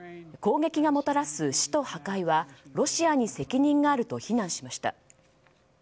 攻撃がもたらす死と破壊はロシアに責任があると非難しました。